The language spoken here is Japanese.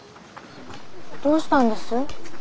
どうしたんです？